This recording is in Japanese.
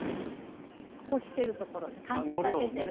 干してるところで乾燥させてる。